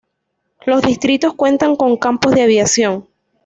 Los distritos cuentan con campos de aviación.